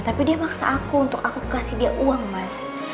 tapi dia maksa aku untuk aku kasih dia uang mas